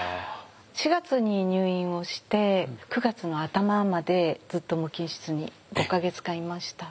４月に入院をして９月の頭までずっと無菌室に５か月間いました。